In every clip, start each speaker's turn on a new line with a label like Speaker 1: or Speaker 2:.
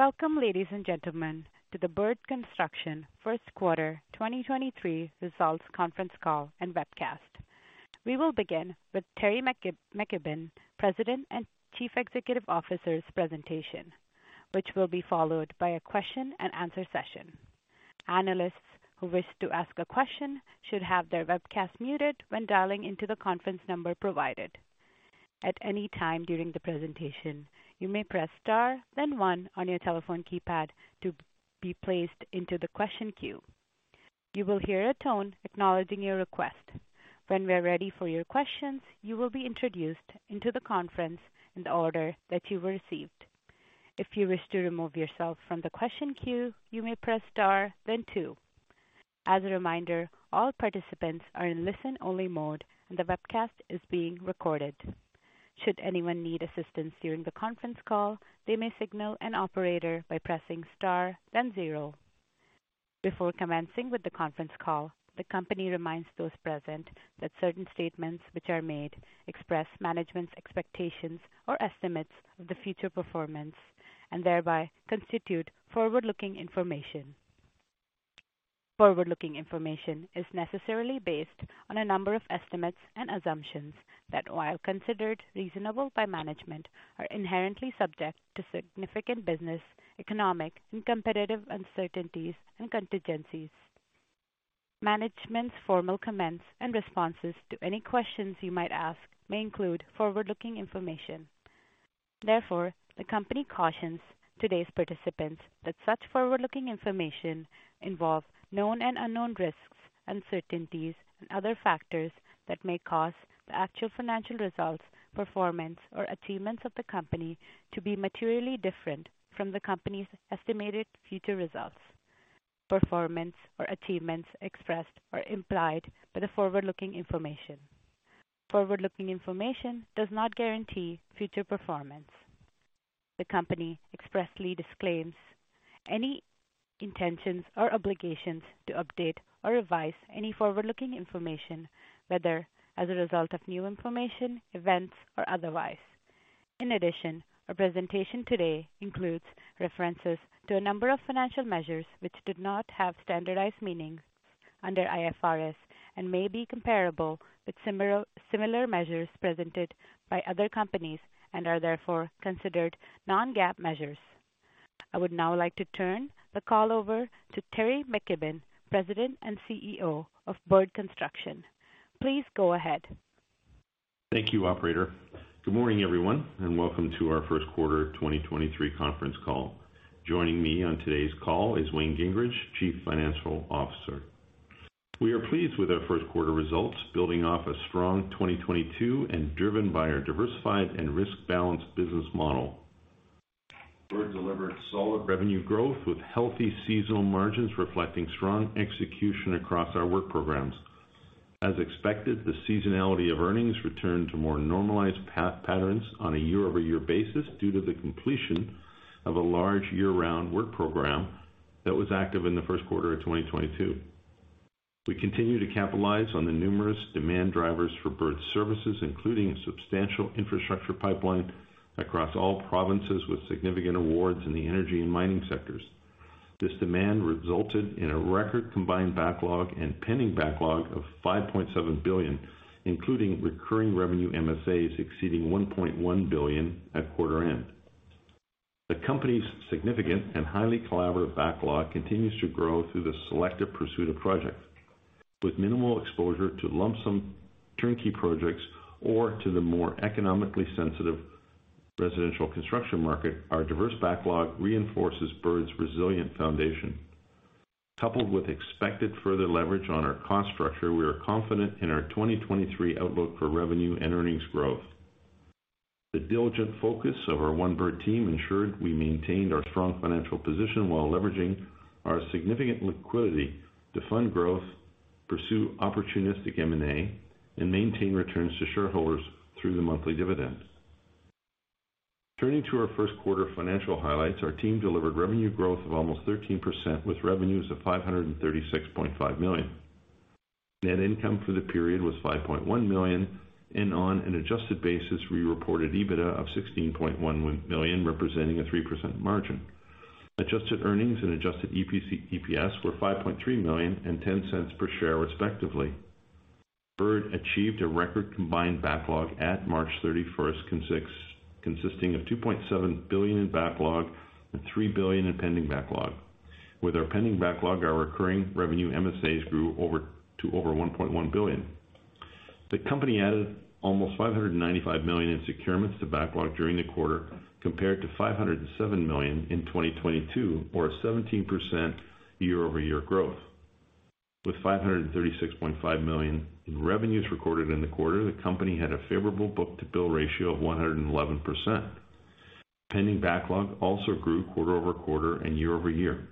Speaker 1: Welcome, ladies and gentlemen, to the Bird Construction first quarter 2023 results conference call and webcast. We will begin with Teri McKibbon, President and Chief Executive Officer's presentation, which will be followed by a question and answer session. Analysts who wish to ask a question should have their webcast muted when dialing into the conference number provided. At any time during the presentation, you may press star then one on your telephone keypad to be placed into the question queue. You will hear a tone acknowledging your request. When we're ready for your questions, you will be introduced into the conference in the order that you received. If you wish to remove yourself from the question queue, you may press star then two. As a reminder, all participants are in listen-only mode and the webcast is being recorded. Should anyone need assistance during the conference call, they may signal an operator by pressing Star then zero. Before commencing with the conference call, the company reminds those present that certain statements which are made express management's expectations or estimates of the future performance and thereby constitute forward-looking information. Forward-looking information is necessarily based on a number of estimates and assumptions that, while considered reasonable by management, are inherently subject to significant business, economic, and competitive uncertainties and contingencies. Management's formal comments and responses to any questions you might ask may include forward-looking information. Therefore, the company cautions today's participants that such forward-looking information involve known and unknown risks, uncertainties, and other factors that may cause the actual financial results, performance, or achievements of the company to be materially different from the company's estimated future results, performance or achievements expressed or implied by the forward-looking information. Forward-looking information does not guarantee future performance. The company expressly disclaims any intentions or obligations to update or revise any forward-looking information, whether as a result of new information, events, or otherwise. In addition, our presentation today includes references to a number of financial measures which do not have standardized meanings under IFRS and may be comparable with similar measures presented by other companies and are therefore considered non-GAAP measures. I would now like to turn the call over to Teri McKibbon, President and CEO of Bird Construction. Please go ahead.
Speaker 2: Thank you, operator. Good morning, everyone, welcome to our first quarter 2023 conference call. Joining me on today's call is Wayne Gingrich, Chief Financial Officer. We are pleased with our first quarter results, building off a strong 2022 and driven by our diversified and risk-balanced business model. Bird delivered solid revenue growth with healthy seasonal margins, reflecting strong execution across our work programs. As expected, the seasonality of earnings returned to more normalized path patterns on a year-over-year basis due to the completion of a large year-round work program that was active in the first quarter of 2022. We continue to capitalize on the numerous demand drivers for Bird's services, including a substantial infrastructure pipeline across all provinces with significant awards in the energy and mining sectors. This demand resulted in a record combined backlog and pending backlog of 5.7 billion, including recurring revenue MSAs exceeding 1.1 billion at quarter end. The company's significant and highly collaborative backlog continues to grow through the selective pursuit of projects. With minimal exposure to lump sum turnkey projects or to the more economically sensitive residential construction market, our diverse backlog reinforces Bird's resilient foundation. Coupled with expected further leverage on our cost structure, we are confident in our 2023 outlook for revenue and earnings growth. The diligent focus of our One Bird team ensured we maintained our strong financial position while leveraging our significant liquidity to fund growth, pursue opportunistic M&A, and maintain returns to shareholders through the monthly dividend. Turning to our first quarter financial highlights, our team delivered revenue growth of almost 13%, with revenues of 536.5 million. Net income for the period was 5.1 million and on an adjusted basis, we reported EBITDA of 16.1 million, representing a 3% margin. Adjusted earnings and adjusted EPS were 5.3 million and 0.10 per share, respectively. Bird achieved a record combined backlog at March 31st, consisting of 2.7 billion in backlog and 3 billion in pending backlog. With our pending backlog, our recurring revenue MSAs grew to over 1.1 billion. The company added almost 595 million in securements to backlog during the quarter, compared to 507 million in 2022, or a 17% year-over-year growth. With 536.5 million in revenues recorded in the quarter, the company had a favorable book-to-bill ratio of 111%. Pending backlog also grew quarter-over-quarter and year-over-year.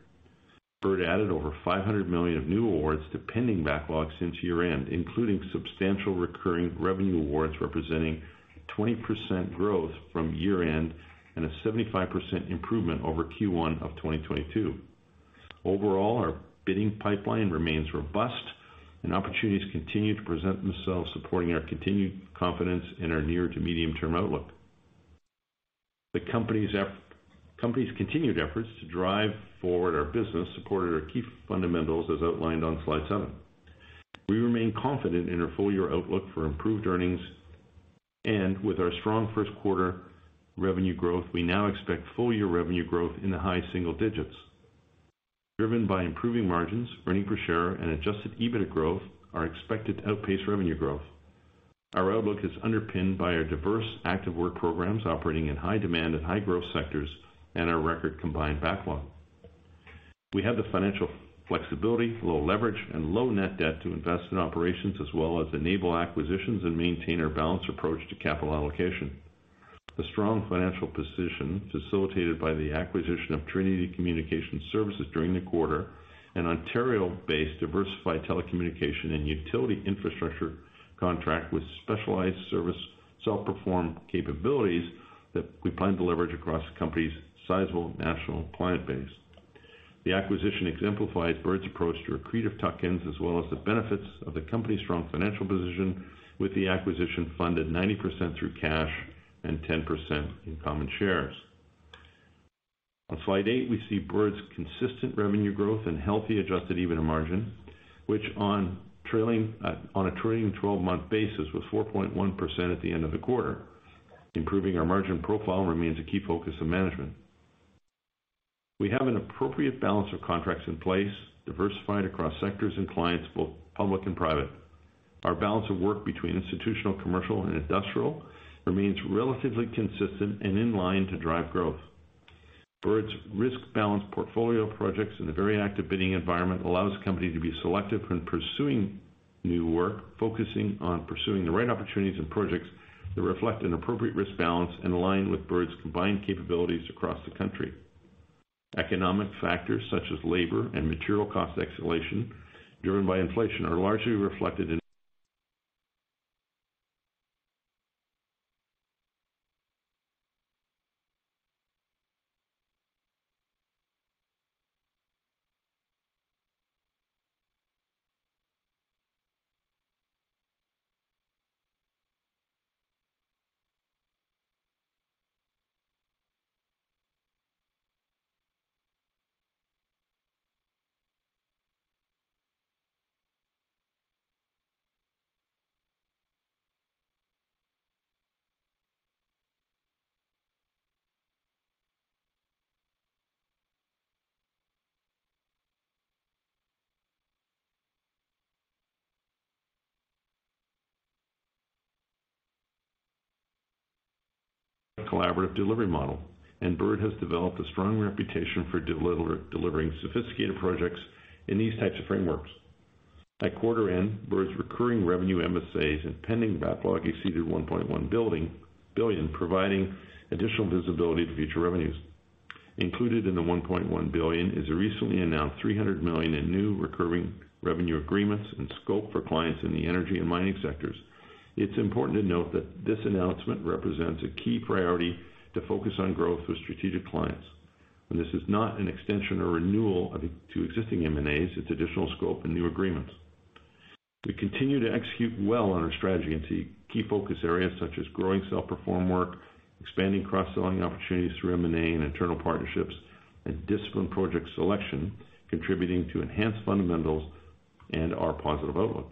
Speaker 2: Bird added over 500 million of new awards to pending backlogs since year-end, including substantial recurring revenue awards representing 20% growth from year-end and a 75% improvement over Q1 of 2022. Overall, our bidding pipeline remains robust and opportunities continue to present themselves, supporting our continued confidence in our near to medium term outlook. The company's continued efforts to drive forward our business supported our key fundamentals as outlined on slide seven. We remain confident in our full year outlook for improved earnings and with our strong first quarter revenue growth, we now expect full year revenue growth in the high single digits. Driven by improving margins, earnings per share and adjusted EBIT growth are expected to outpace revenue growth. Our outlook is underpinned by our diverse active work programs operating in high demand and high growth sectors and our record combined backlog. We have the financial flexibility, low leverage and low net debt to invest in operations as well as enable acquisitions and maintain our balanced approach to capital allocation. The strong financial position facilitated by the acquisition of Trinity Communication Services during the quarter, an Ontario-based diversified telecommunication and utility infrastructure contract with specialized service, self-perform capabilities that we plan to leverage across company's sizable national client base. The acquisition exemplifies Bird's approach to accretive tuck-ins as well as the benefits of the company's strong financial position with the acquisition funded 90% through cash and 10% in common shares. On slide eight, we see Bird's consistent revenue growth and healthy adjusted EBITDA margin, which on a trailing 12-month basis was 4.1% at the end of the quarter. Improving our margin profile remains a key focus of management. We have an appropriate balance of contracts in place, diversified across sectors and clients, both public and private. Our balance of work between institutional, commercial and industrial remains relatively consistent and in line to drive growth. Bird's risk-balanced portfolio of projects in a very active bidding environment allows the company to be selective when pursuing new work, focusing on pursuing the right opportunities and projects that reflect an appropriate risk balance and align with Bird's combined capabilities across the country. Economic factors such as labor and material cost escalation driven by inflation are largely reflected in Collaborative delivery model, and Bird has developed a strong reputation for delivering sophisticated projects in these types of frameworks. At quarter end, Bird's recurring revenue MSAs and pending backlog exceeded 1.1 billion, providing additional visibility to future revenues. Included in the 1.1 billion is a recently announced 300 million in new recurring revenue agreements and scope for clients in the energy and mining sectors. It's important to note that this announcement represents a key priority to focus on growth with strategic clients, and this is not an extension or renewal of to existing MSAs. It's additional scope and new agreements. We continue to execute well on our strategy and see key focus areas such as growing self-perform work, expanding cross-selling opportunities through M&A and internal partnerships, and disciplined project selection, contributing to enhanced fundamentals and our positive outlook.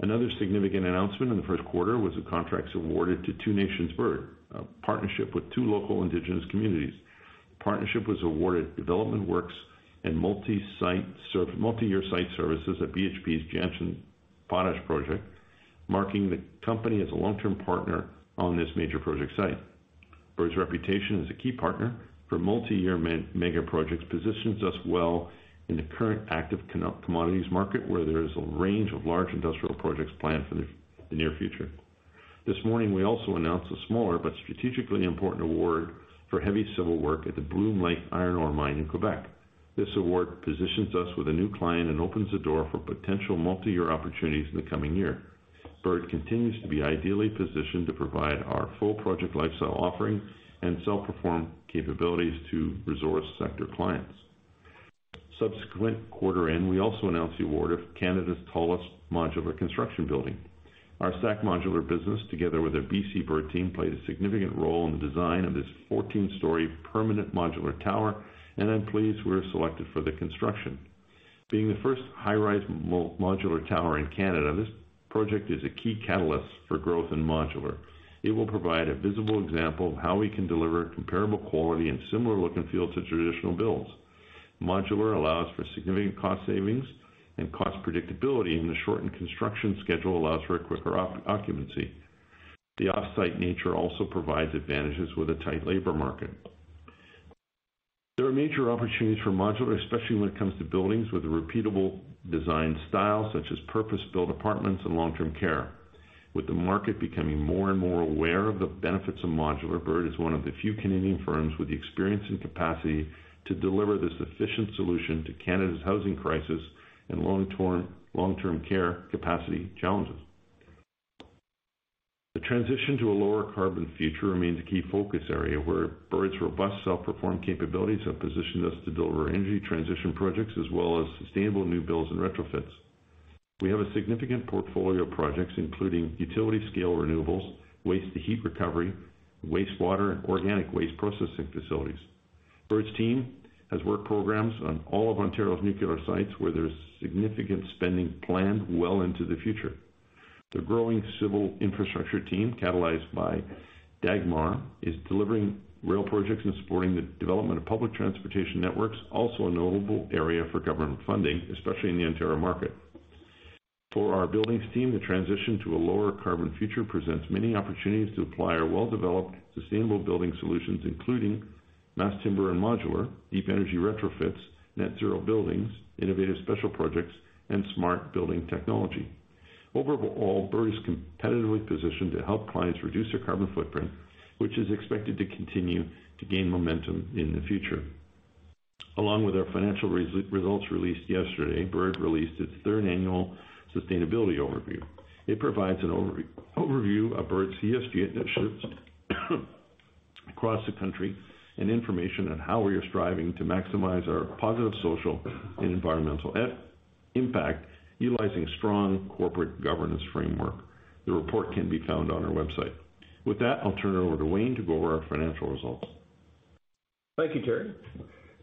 Speaker 2: Another significant announcement in the first quarter was the contracts awarded to Two Nations Bird, a partnership with two local indigenous communities. The partnership was awarded development works and multi-year site services at BHP's Jansen Potash project, marking the company as a long-term partner on this major project site. Bird's reputation as a key partner for multi-year mega projects positions us well in the current active commodities market, where there is a range of large industrial projects planned for the near future. This morning, we also announced a smaller but strategically important award for heavy civil work at the Bloom Lake Iron Ore mine in Quebec. This award positions us with a new client and opens the door for potential multi-year opportunities in the coming year. Bird continues to be ideally positioned to provide our full project lifestyle offering and self-perform capabilities to resource sector clients. Subsequent quarter end, we also announced the award of Canada's tallest modular construction building. Our Stack Modular business, together with our BC Bird team, played a significant role in the design of this 14-story permanent modular tower. I'm pleased we were selected for the construction. Being the first high-rise modular tower in Canada, this project is a key catalyst for growth in modular. It will provide a visible example of how we can deliver comparable quality and similar look and feel to traditional builds. Modular allows for significant cost savings and cost predictability, and the shortened construction schedule allows for a quicker occupancy. The off-site nature also provides advantages with a tight labor market. There are major opportunities for modular, especially when it comes to buildings with a repeatable design style, such as purpose-built apartments and long-term care. With the market becoming more and more aware of the benefits of modular, Bird is one of the few Canadian firms with the experience and capacity to deliver this efficient solution to Canada's housing crisis and long-term care capacity challenges. The transition to a lower carbon future remains a key focus area where Bird's robust self-perform capabilities have positioned us to deliver energy transition projects as well as sustainable new builds and retrofits. We have a significant portfolio of projects, including utility scale renewables, waste-to-heat recovery, wastewater and organic waste processing facilities. Bird's team has work programs on all of Ontario's nuclear sites, where there's significant spending planned well into the future. The growing civil infrastructure team, catalyzed by Dagmar, is delivering rail projects and supporting the development of public transportation networks, also a notable area for government funding, especially in the Ontario market. For our buildings team, the transition to a lower carbon future presents many opportunities to apply our well-developed sustainable building solutions, including mass timber and modular, deep energy retrofits, net zero buildings, innovative special projects, and smart building technology. Overall, Bird is competitively positioned to help clients reduce their carbon footprint, which is expected to continue to gain momentum in the future. Along with our financial results released yesterday, Bird released its third annual sustainability overview. It provides an overview of Bird's ESG initiatives, across the country and information on how we are striving to maximize our positive social and environmental impact utilizing strong corporate governance framework. The report can be found on our website. With that, I'll turn it over to Wayne to go over our financial results.
Speaker 3: Thank you, Terry.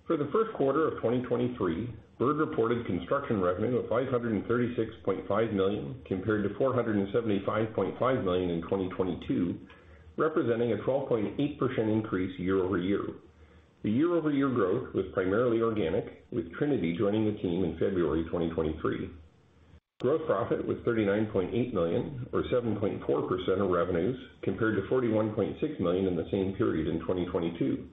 Speaker 3: For the first quarter of 2023, Bird reported construction revenue of 536.5 million, compared to 475.5 million in 2022, representing a 12.8% increase year-over-year. The year-over-year growth was primarily organic, with Trinity joining the team in February 2023. Gross profit was 39.8 million, or 7.4% of revenues, compared to 41.6 million in the same period in 2022.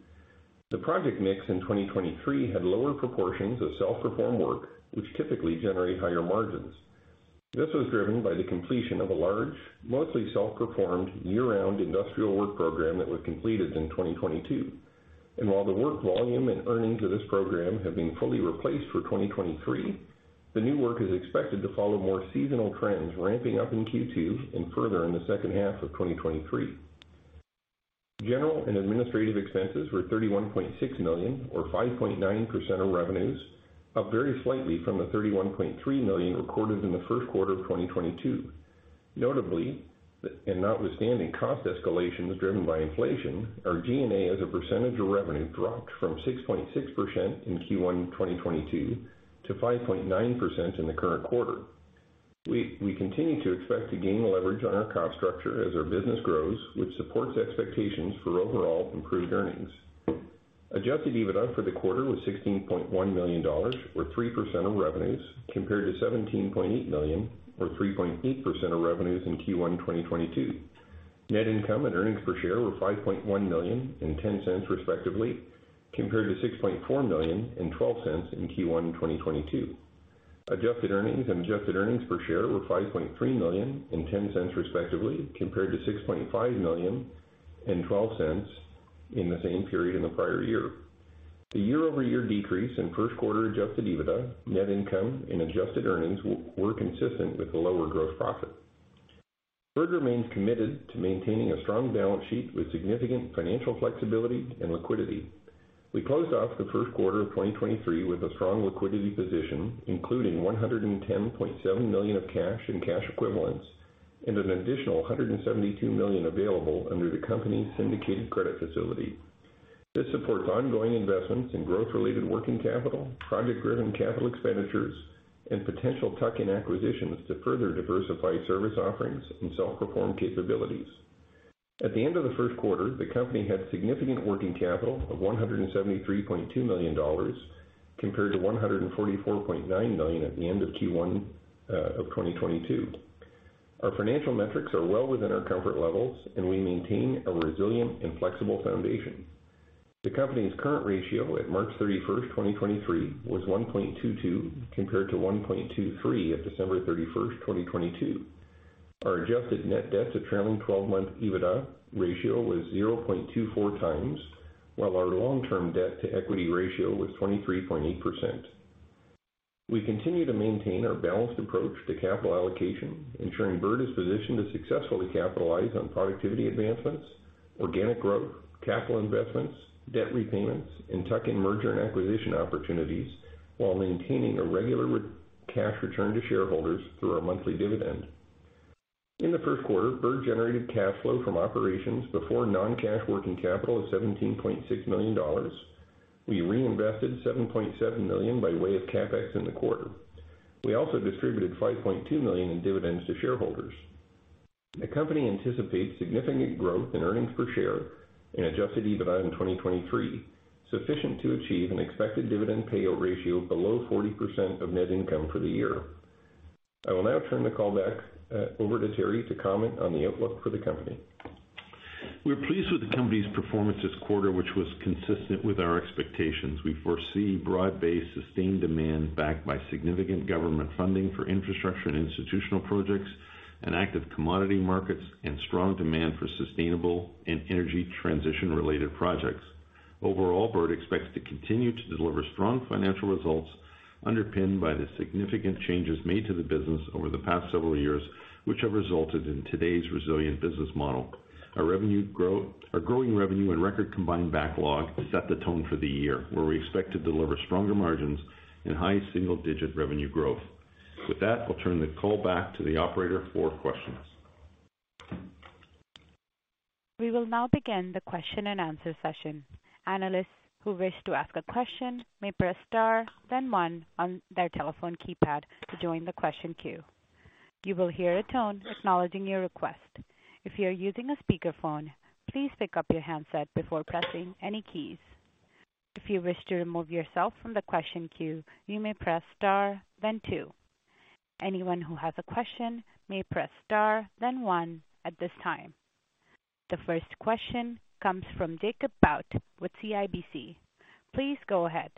Speaker 3: The project mix in 2023 had lower proportions of self-perform work, which typically generate higher margins. This was driven by the completion of a large, mostly self-performed year-round industrial work program that was completed in 2022. While the work volume and earnings of this program have been fully replaced for 2023, the new work is expected to follow more seasonal trends, ramping up in Q2 and further in the second half of 2023. General and administrative expenses were $31.6 million, or 5.9% of revenues, up very slightly from the $31.3 million recorded in the first quarter of 2022. Notably, and notwithstanding cost escalations driven by inflation, our G&A as a percentage of revenue dropped from 6.6% in Q1 2022 to 5.9% in the current quarter. We continue to expect to gain leverage on our cost structure as our business grows, which supports expectations for overall improved earnings. Adjusted EBITDA for the quarter was 16.1 million dollars or 3% of revenues, compared to 17.8 million or 3.8% of revenues in Q1 2022. Net income and earnings per share were 5.1 million and 0.10, respectively, compared to 6.4 million and 0.12 in Q1 2022. Adjusted earnings and adjusted earnings per share were 5.3 million and 0.10, respectively, compared to 6.5 million and 0.12 in the same period in the prior year. The year-over-year decrease in first quarter adjusted EBITDA, net income and adjusted earnings were consistent with the lower growth profit. Bird remains committed to maintaining a strong balance sheet with significant financial flexibility and liquidity. We closed off the first quarter of 2023 with a strong liquidity position, including 110.7 million of cash and cash equivalents, and an additional 172 million available under the company's syndicated credit facility. This supports ongoing investments in growth-related working capital, private driven capital expenditures and potential tuck-in acquisitions to further diversify service offerings and self-perform capabilities. At the end of the first quarter, the company had significant working capital of 173.2 million dollars, compared to 144.9 million at the end of Q1 2022. Our financial metrics are well within our comfort levels, we maintain a resilient and flexible foundation. The company's current ratio at March 31st, 2023 was 1.22 compared to 1.23 at December 31st, 2022. Our adjusted net debt to trailing twelve-month EBITDA ratio was 0.24 times, while our long-term debt to equity ratio was 23.8%. We continue to maintain our balanced approach to capital allocation, ensuring Bird is positioned to successfully capitalize on productivity advancements, organic growth, capital investments, debt repayments, and tuck-in merger and acquisition opportunities while maintaining a regular cash return to shareholders through our monthly dividend. In the first quarter, Bird generated cash flow from operations before non-cash working capital of 17.6 million dollars. We reinvested 7.7 million by way of CapEx in the quarter. We also distributed 5.2 million in dividends to shareholders. The company anticipates significant growth in earnings per share and adjusted EBITDA in 2023, sufficient to achieve an expected dividend payout ratio below 40% of net income for the year. I will now turn the call back, over to Terry to comment on the outlook for the company.
Speaker 2: We're pleased with the company's performance this quarter, which was consistent with our expectations. We foresee broad-based, sustained demand backed by significant government funding for infrastructure and institutional projects and active commodity markets and strong demand for sustainable and energy transition-related projects. Overall, Bird expects to continue to deliver strong financial results underpinned by the significant changes made to the business over the past several years, which have resulted in today's resilient business model. Our growing revenue and record combined backlog set the tone for the year, where we expect to deliver stronger margins and high single-digit revenue growth. With that, I'll turn the call back to the operator for questions.
Speaker 1: We will now begin the question-and-answer session. Analysts who wish to ask a question may press star then one on their telephone keypad to join the question queue. You will hear a tone acknowledging your request. If you're using a speakerphone, please pick up your handset before pressing any keys. If you wish to remove yourself from the question queue, you may press star then two. Anyone who has a question may press star then one at this time. The first question comes from Jacob Bout with CIBC. Please go ahead.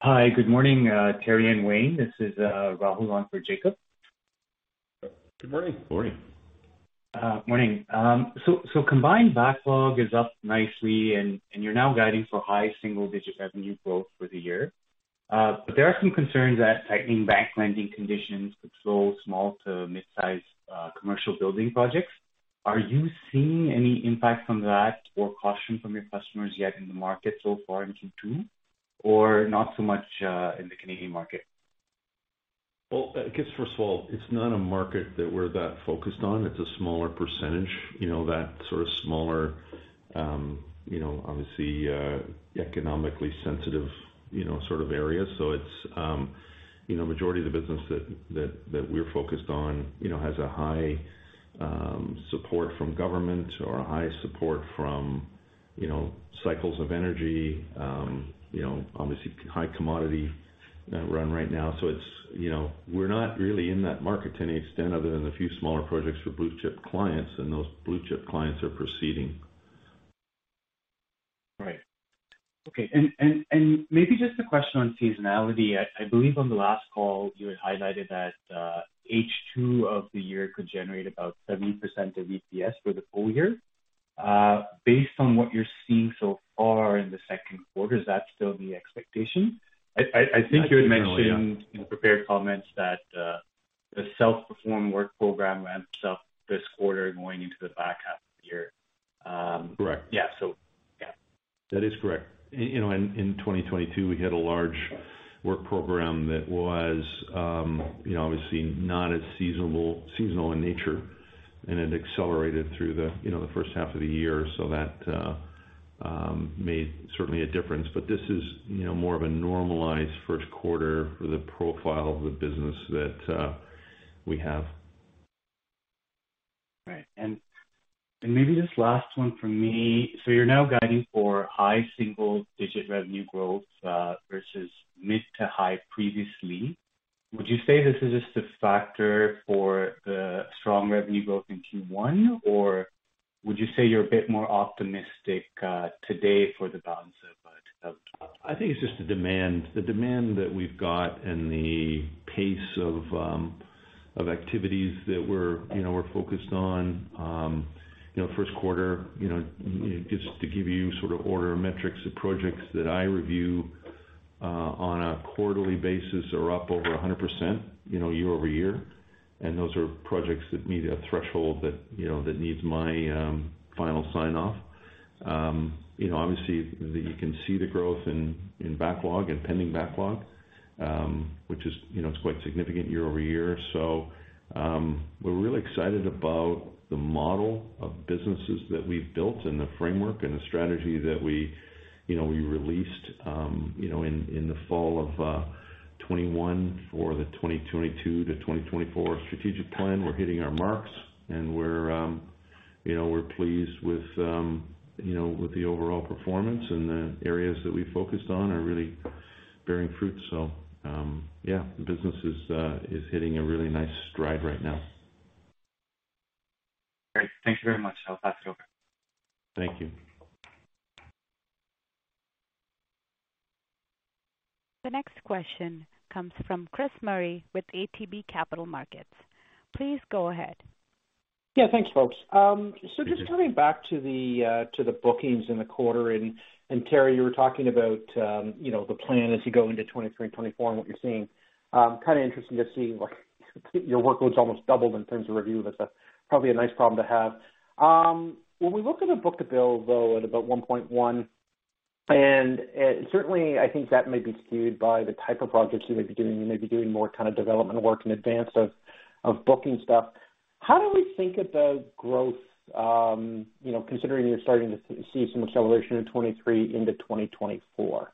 Speaker 4: Hi. Good morning, Teri and Wayne. This is Rahul on for Jacob.
Speaker 2: Good morning.
Speaker 4: Morning. Morning. Combined backlog is up nicely and you're now guiding for high single-digit revenue growth for the year. There are some concerns that tightening bank lending conditions could slow small to mid-size commercial building projects. Are you seeing any impact from that or caution from your customers yet in the market so far in Q2, or not so much in the Canadian market?
Speaker 2: Well, I guess, first of all, it's not a market that we're that focused on. It's a smaller percentage, you know, that sort of smaller, you know, obviously, economically sensitive, you know, sort of areas. It's, you know, majority of the business that we're focused on, you know, has a high support from government or a high support from, you know, cycles of energy, you know, obviously high commodity run right now. It's, you know, we're not really in that market to any extent other than a few smaller projects for blue-chip clients, and those blue-chip clients are proceeding.
Speaker 4: Right. Okay. Maybe just a question on seasonality. I believe on the last call, you had highlighted that H2 of the year could generate about 70% of EPS for the full year. Based on what you're seeing so far in the second quarter, is that still the expectation?
Speaker 2: I think you had mentioned-.
Speaker 4: I think you mentioned in your prepared comments that, the self-performed work program ramps up this quarter going into the back half of the year.
Speaker 2: Correct.
Speaker 4: Yeah. Yeah.
Speaker 2: That is correct. You know, in 2022, we had a large work program that was, you know, obviously not as seasonal in nature, and it accelerated through the, you know, the first half of the year. That made certainly a difference. This is, you know, more of a normalized first quarter for the profile of the business that we have.
Speaker 4: Right. Maybe just last one from me. You're now guiding for high single-digit revenue growth, versus mid to high previously. Would you say this is just a factor for the strong revenue growth in Q1, or would you say you're a bit more optimistic, today for the balance of.
Speaker 2: I think it's just the demand. The demand that we've got and the pace of activities that we're, you know, we're focused on, you know, first quarter, you know, just to give you sort of order of metrics, the projects that I review on a quarterly basis are up over 100%, you know, year-over-year. Those are projects that meet a threshold that, you know, that needs my final sign-off. You know, obviously you can see the growth in backlog, in pending backlog, which is, you know, it's quite significant year-over-year. We're really excited about the model of businesses that we've built and the framework and the strategy that we, you know, we released, you know, in the fall of 2021 for the 2022-2024 strategic plan. We're hitting our marks, and we're, you know, we're pleased with, you know, with the overall performance. The areas that we focused on are really bearing fruit. Yeah, the business is hitting a really nice stride right now.
Speaker 4: Great. Thank you very much. I'll pass it over.
Speaker 2: Thank you.
Speaker 1: The next question comes from Chris Murray with ATB Capital Markets. Please go ahead.
Speaker 5: Yeah, thanks, folks. Just coming back to the bookings in the quarter. Terry, you were talking about, you know, the plan as you go into 2023 and 2024 and what you're seeing. Kind of interesting to see, like, your workload's almost doubled in terms of review. That's probably a nice problem to have. When we look at a book-to-bill though at about 1.1, certainly I think that may be skewed by the type of projects you may be doing. You may be doing more kind of development work in advance of booking stuff. How do we think about growth, you know, considering you're starting to see some acceleration in 2023 into 2024?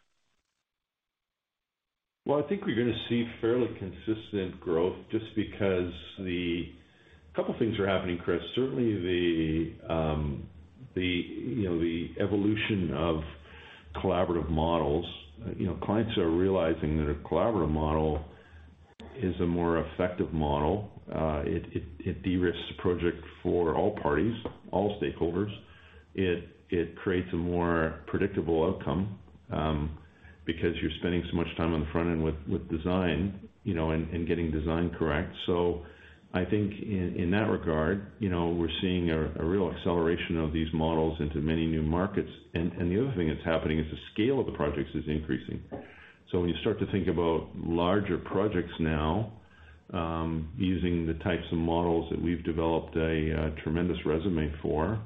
Speaker 2: Well, I think we're gonna see fairly consistent growth just because. Couple things are happening, Chris. Certainly, the, you know, the evolution of collaborative models. You know, clients are realizing that a collaborative model is a more effective model. It de-risks the project for all parties, all stakeholders. It creates a more predictable outcome. Because you're spending so much time on the front end with design, you know, and getting design correct. I think in that regard, you know, we're seeing a real acceleration of these models into many new markets. The other thing that's happening is the scale of the projects is increasing. When you start to think about larger projects now, using the types of models that we've developed a tremendous resume for,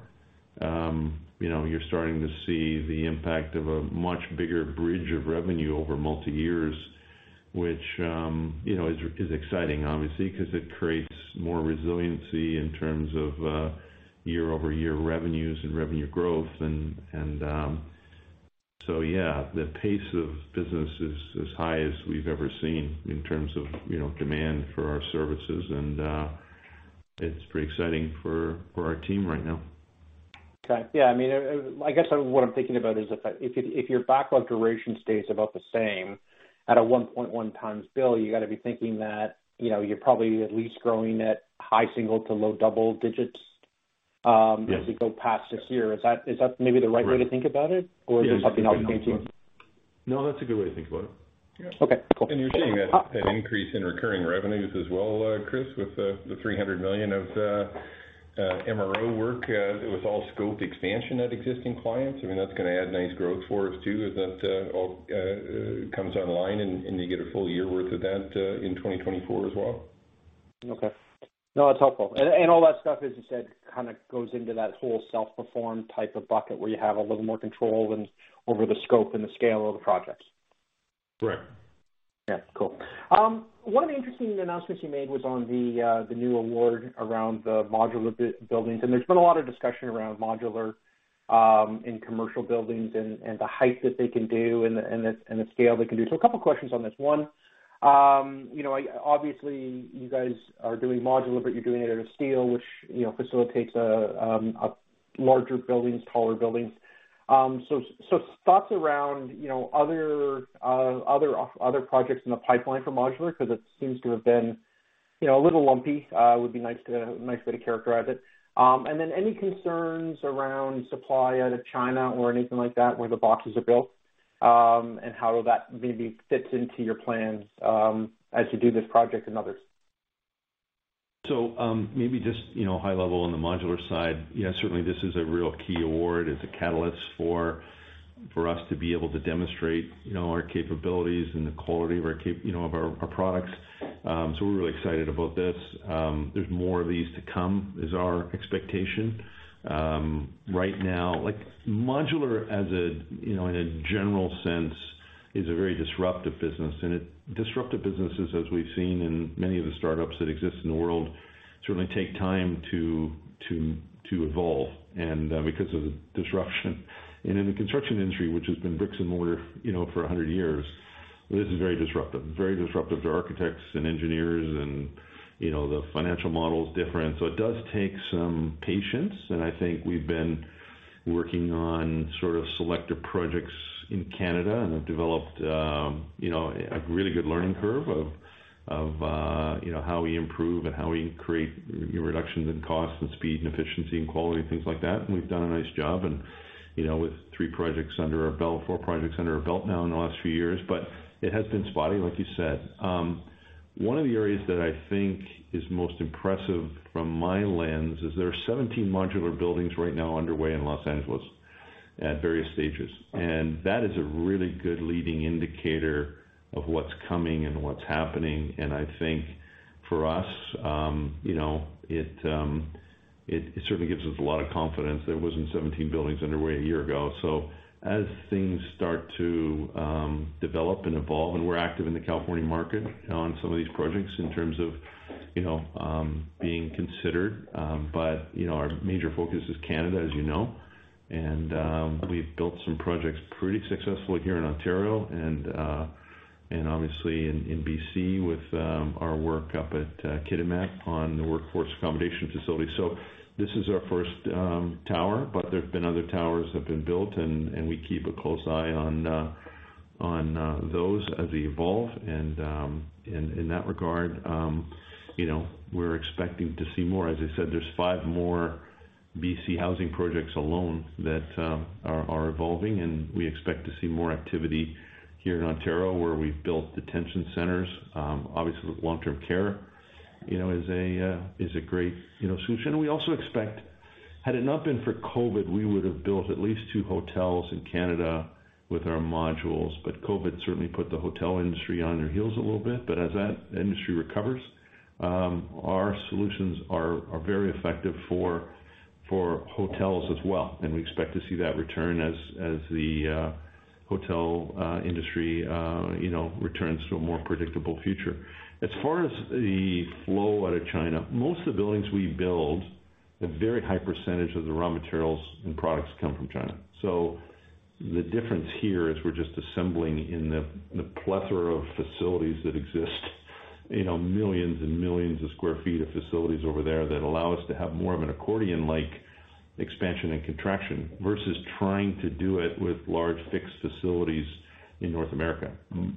Speaker 2: you know, you're starting to see the impact of a much bigger bridge of revenue over multi years, which, you know, is exciting obviously, because it creates more resiliency in terms of year-over-year revenues and revenue growth. Yeah, the pace of business is as high as we've ever seen in terms of, you know, demand for our services. It's pretty exciting for our team right now.
Speaker 5: Okay. Yeah. I mean, I guess what I'm thinking about is if your backlog duration stays about the same at a 1.1 times bill, you got to be thinking that, you know, you're probably at least growing at high single- to low double-digits.
Speaker 2: Yes.
Speaker 5: -as we go past this year. Is that maybe the right way to think about it?
Speaker 2: Right.
Speaker 5: Is there something I'm missing?
Speaker 2: No, that's a good way to think about it.
Speaker 5: Okay, cool.
Speaker 2: You're seeing an increase in recurring revenues as well, Chris, with the 300 million of MRO work. It was all scoped expansion at existing clients. I mean, that's gonna add nice growth for us too, as that all comes online, and you get a full year worth of that in 2024 as well.
Speaker 5: Okay. No, that's helpful. And all that stuff, as you said, kind of goes into that whole self-performed type of bucket where you have a little more control over the scope and the scale of the projects.
Speaker 2: Correct.
Speaker 5: Yeah, cool. One of the interesting announcements you made was on the new award around the modular buildings. There's been a lot of discussion around modular in commercial buildings and the height that they can do and the, and the scale they can do. A couple of questions on this. One, you know, obviously, you guys are doing modular, but you're doing it out of steel, which, you know, facilitates a larger buildings, taller buildings. Thoughts around, you know, other projects in the pipeline for modular because it seems to have been, you know, a little lumpy, would be nice way to characterize it. Any concerns around supply out of China or anything like that, where the boxes are built, and how that maybe fits into your plans, as you do this project and others?
Speaker 2: Maybe just, you know, high level on the modular side. Yeah, certainly this is a real key award. It's a catalyst for us to be able to demonstrate, you know, our capabilities and the quality of our products. We're really excited about this. There's more of these to come, is our expectation. Right now, like, modular as a, you know, in a general sense, is a very disruptive business, and disruptive businesses, as we've seen in many of the startups that exist in the world, certainly take time to evolve and because of the disruption. In the construction industry, which has been bricks and mortar, you know, for 100 years, this is very disruptive, very disruptive to architects and engineers. You know, the financial model is different. It does take some patience. I think we've been working on sort of selective projects in Canada and have developed, you know, a really good learning curve of, you know, how we improve and how we create reductions in cost and speed and efficiency and quality and things like that. We've done a nice job. You know, with 3 projects under our belt, four projects under our belt now in the last few years, but it has been spotty, like you said. One of the areas that I think is most impressive from my lens is there are 17 modular buildings right now underway in Los Angeles at various stages, and that is a really good leading indicator of what's coming and what's happening. I think for us, you know, it certainly gives us a lot of confidence. There wasn't 17 buildings underway a year ago. As things start to develop and evolve and we're active in the California market on some of these projects in terms of, you know, being considered. You know, our major focus is Canada, as you know. We've built some projects pretty successfully here in Ontario and obviously in BC with our work up at Kitimat on the workforce accommodation facility. This is our first tower, but there have been other towers that have been built, and we keep a close eye on those as they evolve. In that regard, you know, we're expecting to see more. As I said, there's five more BC Housing projects alone that are evolving, we expect to see more activity here in Ontario, where we've built detention centers. Obviously long-term care, you know, is a great, you know, solution. We also expect had it not been for COVID, we would have built at least two hotels in Canada with our modules. COVID certainly put the hotel industry on their heels a little bit. As that industry recovers, our solutions are very effective for hotels as well, we expect to see that return as the hotel industry, you know, returns to a more predictable future. As far as the flow out of China, most of the buildings we build, a very high percentage of the raw materials and products come from China. The difference here is we're just assembling in the plethora of facilities that exist, you know, millions and millions of square feet of facilities over there that allow us to have more of an accordion-like expansion and contraction versus trying to do it with large fixed facilities in North America.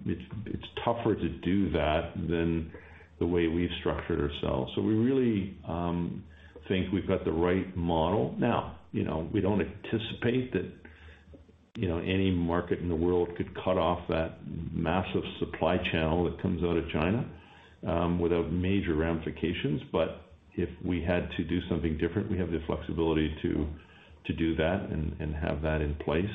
Speaker 2: It's tougher to do that than the way we've structured ourselves. We really think we've got the right model. Now, you know, we don't anticipate that. You know, any market in the world could cut off that massive supply channel that comes out of China without major ramifications. If we had to do something different, we have the flexibility to do that and have that in place.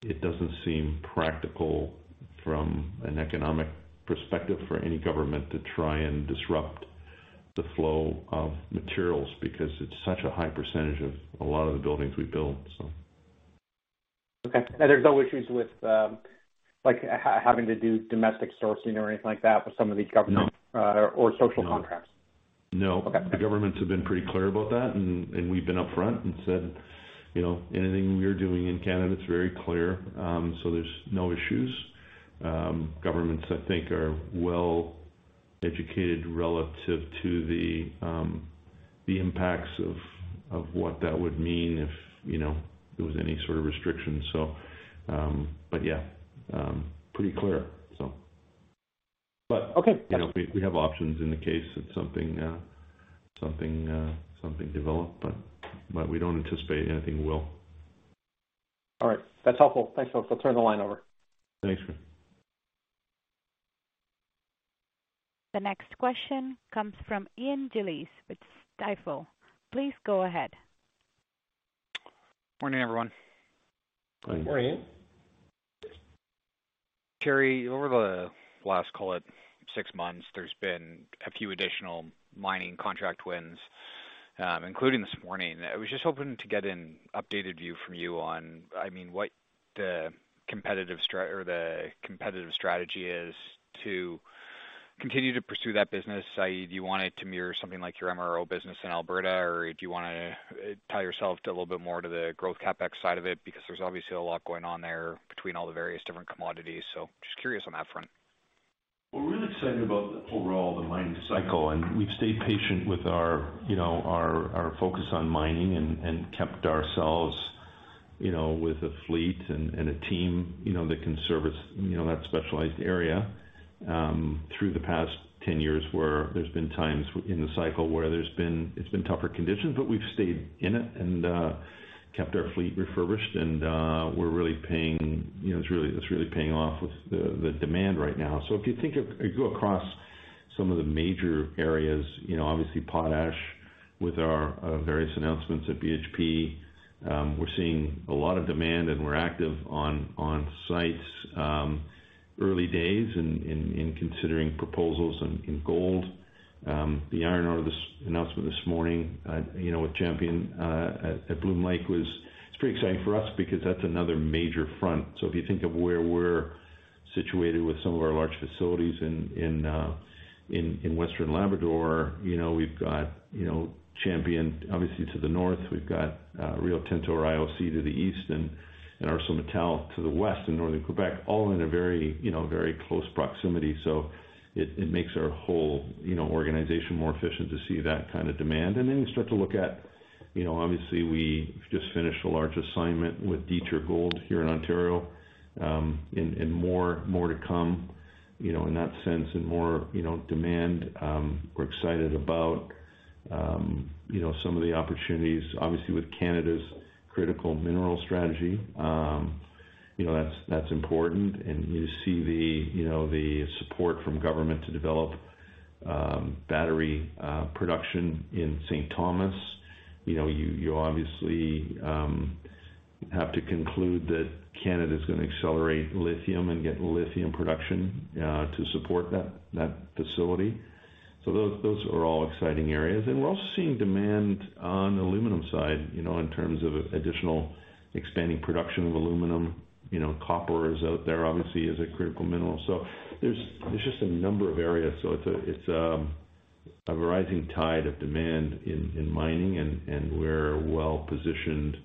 Speaker 2: It doesn't seem practical from an economic perspective for any government to try and disrupt the flow of materials because it's such a high percentage of a lot of the buildings we build.
Speaker 5: Okay. There's no issues with, like, having to do domestic sourcing or anything like that with some of these government-
Speaker 2: No.
Speaker 5: social contracts?
Speaker 2: No.
Speaker 3: Okay.
Speaker 2: The governments have been pretty clear about that, and we've been upfront and said, you know, anything we are doing in Canada, it's very clear, so there's no issues. Governments, I think, are well educated relative to the impacts of what that would mean if, you know, there was any sort of restrictions. Yeah, pretty clear, so.
Speaker 5: Okay.
Speaker 2: You know, we have options in the case if something developed, but we don't anticipate anything will.
Speaker 5: All right. That's helpful. Thanks, folks. I'll turn the line over.
Speaker 2: Thanks.
Speaker 1: The next question comes from Ian Gillies with Stifel. Please go ahead.
Speaker 6: Morning, everyone.
Speaker 2: Good morning.
Speaker 3: Morning.
Speaker 6: Terry, over the last, call it six months, there's been a few additional mining contract wins, including this morning. I was just hoping to get an updated view from you on, I mean, what the competitive strategy is to continue to pursue that business. I.e., do you want it to mirror something like your MRO business in Alberta, or do you wanna tie yourself to a little bit more to the growth CapEx side of it? Because there's obviously a lot going on there between all the various different commodities. Just curious on that front.
Speaker 2: We're really excited about the overall, the mining cycle. We've stayed patient with our, you know, our focus on mining and kept ourselves, you know, with a fleet and a team, you know, that can service, you know, that specialized area through the past 10 years, where there's been times in the cycle where it's been tougher conditions. We've stayed in it and kept our fleet refurbished. You know, it's really, it's really paying off with the demand right now. You go across some of the major areas, you know, obviously Potash with our various announcements at BHP, we're seeing a lot of demand. We're active on sites early days in considering proposals in gold. The iron ore, this, announcement this morning, with Champion Iron at Bloom Lake mine, it's pretty exciting for us because that's another major front. If you think of where we're situated with some of our large facilities in Western Labrador, we've got Champion Iron obviously to the north. We've got Rio Tinto or IOC to the east and ArcelorMittal to the west in northern Quebec, all in a very, very close proximity. It makes our whole organization more efficient to see that kind of demand. You start to look at, obviously, we just finished a large assignment with Detour Gold here in Ontario, and more to come in that sense and more demand. We're excited about, you know, some of the opportunities, obviously with Canada's Critical Minerals Strategy. You know, that's important. You see the, you know, the support from government to develop battery production in St. Thomas. You know, you obviously have to conclude that Canada's gonna accelerate lithium and get lithium production to support that facility. Those are all exciting areas. We're also seeing demand on the aluminum side, you know, in terms of additional expanding production of aluminum. You know, copper is out there, obviously, as a critical mineral. There's just a number of areas. It's a, it's a rising tide of demand in mining, and we're well-positioned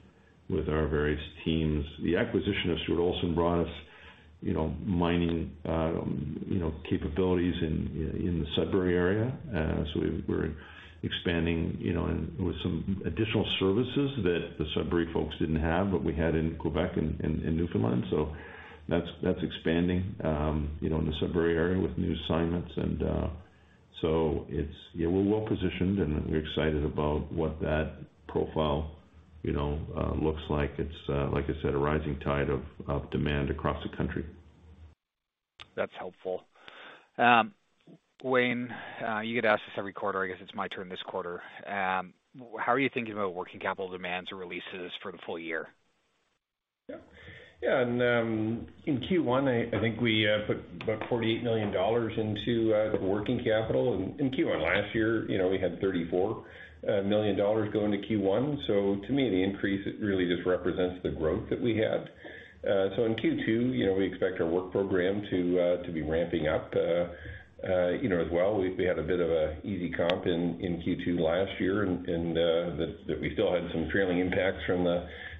Speaker 2: with our various teams. The acquisition of Stuart Olson brought us, you know, mining, you know, capabilities in the Sudbury area. We're expanding, you know, and with some additional services that the Sudbury folks didn't have, but we had in Quebec and Newfoundland. That's expanding, you know, in the Sudbury area with new assignments. It's. Yeah, we're well positioned, and we're excited about what that profile, you know, looks like. It's, like I said, a rising tide of demand across the country.
Speaker 6: That's helpful. Wayne, you get asked this every quarter. I guess it's my turn this quarter. How are you thinking about working capital demands or releases for the full year?
Speaker 3: Yeah. Yeah. In Q1, I think we put about 48 million dollars into the working capital in Q1. Last year, you know, we had 34 million dollars go into Q1. To me, the increase, it really just represents the growth that we have. In Q2, you know, we expect our work program to be ramping up, you know, as well. We had a bit of an easy comp in Q2 last year and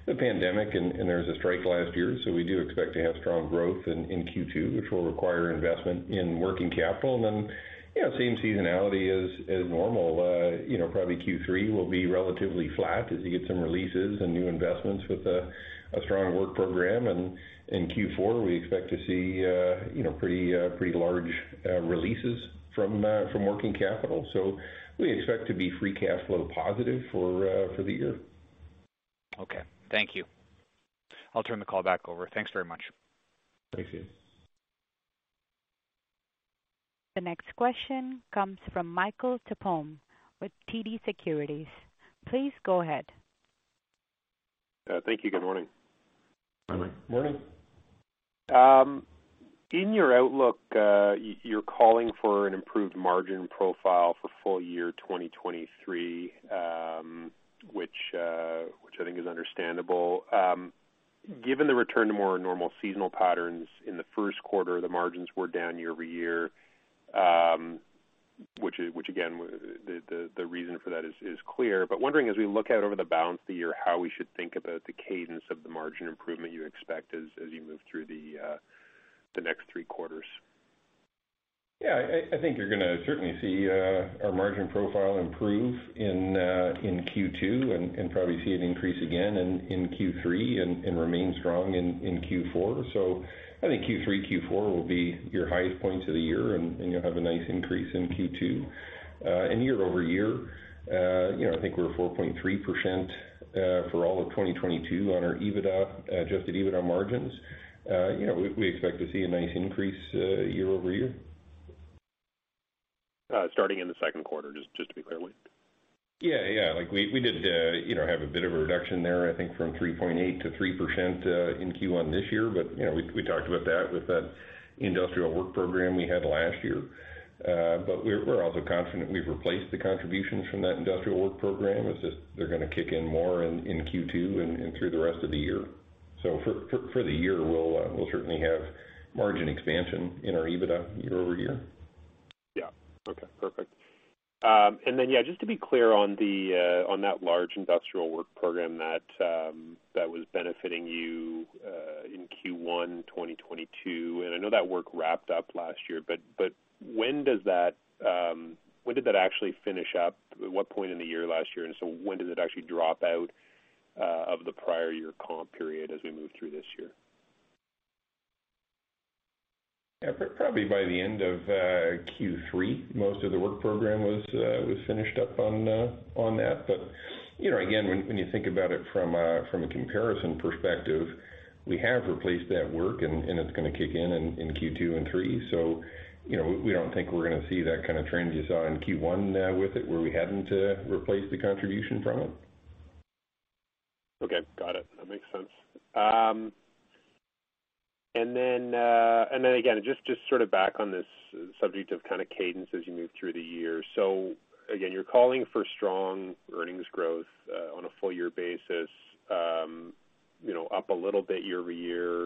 Speaker 3: the pandemic and there was a strike last year. We do expect to have strong growth in Q2, which will require investment in working capital. Then, you know, same seasonality as normal. You know, probably Q3 will be relatively flat as we get some releases and new investments with a strong work program and in Q4, we expect to see, you know, pretty large releases from working capital. We expect to be free cash flow positive for the year.
Speaker 6: Okay, thank you. I'll turn the call back over. Thanks very much.
Speaker 3: Thanks, Ian.
Speaker 1: The next question comes from Michael Tupholme with TD Securities. Please go ahead.
Speaker 7: Thank you. Good morning.
Speaker 3: Morning.
Speaker 7: In your outlook, you're calling for an improved margin profile for full year 2023, which I think is understandable. Given the return to more normal seasonal patterns in the first quarter, the margins were down year-over-year, which again, the reason for that is clear. Wondering, as we look out over the balance of the year, how we should think about the cadence of the margin improvement you expect as you move through the next three quarters.
Speaker 3: Yeah. I think you're gonna certainly see our margin profile improve in Q2 and probably see an increase again in Q3 and remain strong in Q4. I think Q3, Q4 will be your highest points of the year, and you'll have a nice increase in Q2. Year-over-year, you know, I think we're 4.3% for all of 2022 on our EBITDA, adjusted EBITDA margins. You know, we expect to see a nice increase year-over-year.
Speaker 7: Starting in the second quarter, just to be clear.
Speaker 3: Yeah, yeah. Like we did, you know, have a bit of a reduction there, I think from 3.8%-3% in Q1 this year. You know, we talked about that with that industrial work program we had last year. We're, we're also confident we've replaced the contributions from that industrial work program. It's just, they're gonna kick in more in Q2 and through the rest of the year. For the year, we'll certainly have margin expansion in our EBITDA year-over-year.
Speaker 7: Yeah. Okay, perfect. Yeah, just to be clear on the on that large industrial work program that that was benefiting you in Q1 2022, and I know that work wrapped up last year, but when did that actually finish up? At what point in the year last year? When does it actually drop out of the prior year comp period as we move through this year?
Speaker 3: Yeah, probably by the end of Q3, most of the work program was finished up on that. You know, again, when you think about it from a comparison perspective, we have replaced that work and it's gonna kick in Q2 and 3. You know, we don't think we're gonna see that kind of trend you saw in Q1 with it, where we hadn't replaced the contribution from it.
Speaker 7: Okay, got it. That makes sense. Then again, just sort of back on this subject of kind of cadence as you move through the year. Again, you're calling for strong earnings growth on a full year basis, you know, up a little bit year-over-year,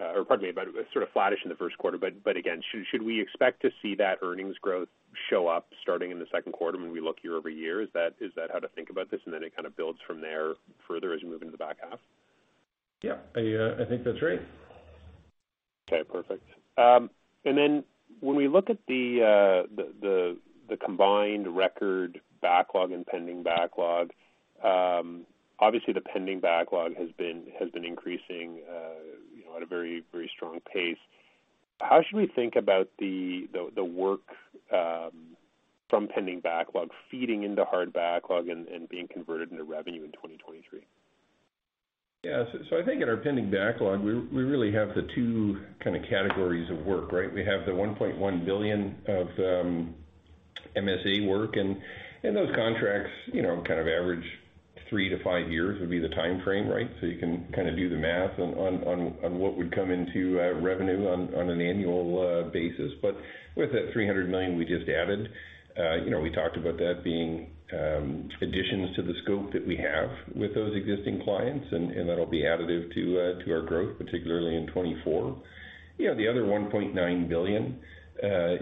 Speaker 7: or pardon me, but sort of flat-ish in the first quarter. Again, should we expect to see that earnings growth show up starting in the second quarter when we look year-over-year? Is that, is that how to think about this, and then it kind of builds from there further as you move into the back half?
Speaker 3: Yeah. I think that's right.
Speaker 7: Okay, perfect. When we look at the combined record backlog and pending backlog, obviously the pending backlog has been increasing, you know, at a very, very strong pace. How should we think about the work from pending backlog feeding into hard backlog and being converted into revenue in 2023?
Speaker 3: Yeah. I think in our pending backlog, we really have the two kind of categories of work, right? We have the 1.1 billion of MSA work and those contracts, you know, kind of average 3-5 years would be the timeframe, right? You can kind of do the math on what would come into revenue on an annual basis. With that 300 million we just added, you know, we talked about that being additions to the scope that we have with those existing clients, and that'll be additive to our growth, particularly in 2024. You know, the other 1.9 billion,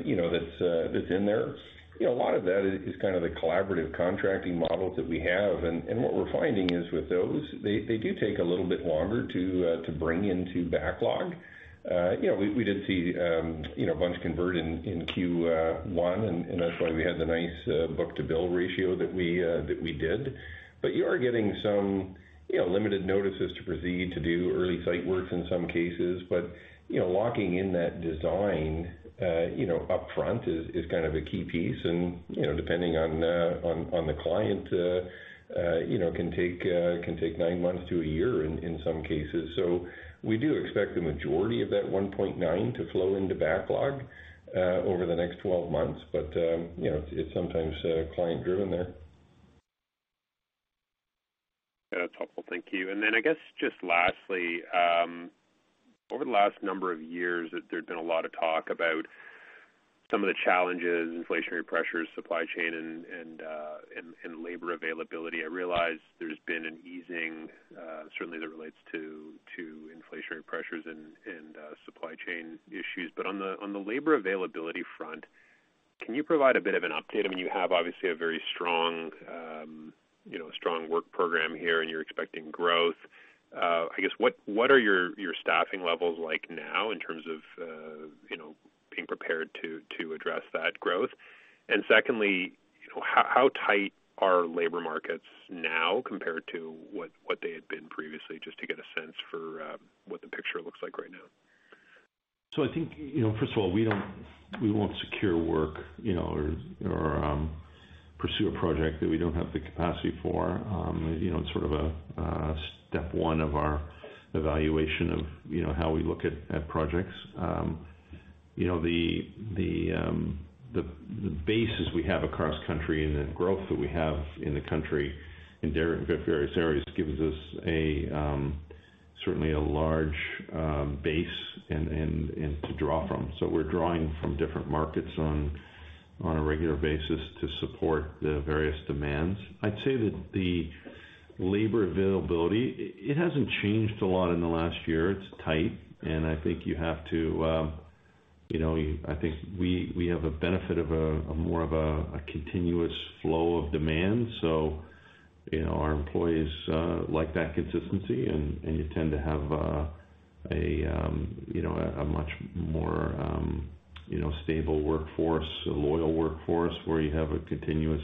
Speaker 3: you know, that's that's in there, you know, a lot of that is kind of the collaborative contracting models that we have. What we're finding is with those, they do take a little bit longer to bring into backlog. You know, we did see, you know, a bunch convert in Q1, and that's why we had the nice book-to-bill ratio that we did. You are getting some, you know, limited notices to proceed to do early site works in some cases. You know, locking in that design, you know, upfront is kind of a key piece. You know, depending on the client, you know, can take 9 months to 1 year in some cases. We do expect the majority of that 1.9 to flow into backlog over the next 12 months. You know, it's sometimes, client driven there.
Speaker 7: That's helpful. Thank you. I guess just lastly, over the last number of years, there's been a lot of talk about some of the challenges, inflationary pressures, supply chain and labor availability. I realize there's been an easing, certainly that relates to inflationary pressures and supply chain issues. On the labor availability front, can you provide a bit of an update? I mean, you have obviously a very strong, you know, strong work program here and you're expecting growth. I guess what are your staffing levels like now in terms of, you know, being prepared to address that growth? Secondly, you know, how tight are labor markets now compared to what they had been previously? Just to get a sense for what the picture looks like right now.
Speaker 2: I think, you know, first of all, we won't secure work, you know, or pursue a project that we don't have the capacity for. You know, it's sort of a step one of our evaluation of, you know, how we look at projects. You know, the bases we have across country and the growth that we have in the country in various areas gives us a certainly a large base and to draw from. We're drawing from different markets on a regular basis to support the various demands. I'd say that the labor availability, it hasn't changed a lot in the last year. It's tight, and I think you have to, you know, I think we have a benefit of more of a continuous flow of demand. You know, our employees like that consistency and you tend to have a much more stable workforce, a loyal workforce, where you have a continuous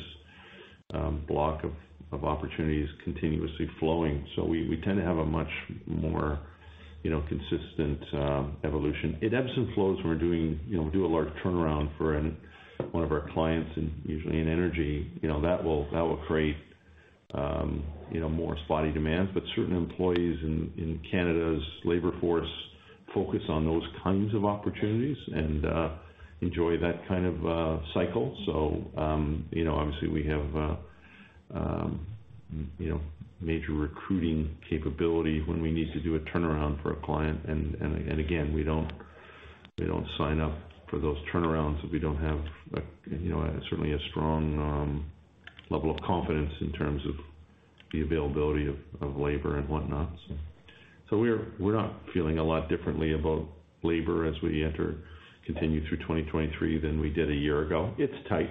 Speaker 2: block of opportunities continuously flowing. We tend to have a much more, you know, consistent evolution. It ebbs and flows when we're doing. You know, we do a large turnaround for one of our clients and usually in energy, you know, that will create more spotty demands. Certain employees in Canada's labor force focus on those kinds of opportunities and enjoy that kind of cycle. You know, obviously we have, you know, major recruiting capability when we need to do a turnaround for a client. Again, we don't, we don't sign up for those turnarounds if we don't have a, you know, certainly a strong level of confidence in terms of the availability of labor and whatnot. We're not feeling a lot differently about labor as we enter, continue through 2023 than we did a year ago. It's tight,